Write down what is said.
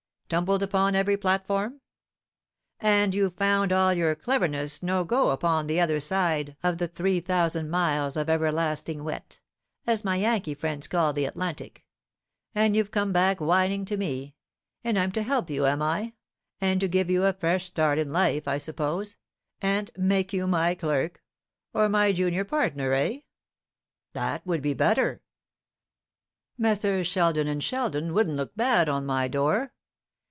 tumbled upon every platform? and you've found all your cleverness no go upon the other side of the three thousand miles of everlasting wet, as my Yankee friends call the Atlantic; and you've come back whining to me, and I'm to help you, am I, and to give you a fresh start in life, I suppose, and make you my clerk, or my junior partner, eh? that would be better. Messrs. Sheldon and Sheldon wouldn't look bad on my door.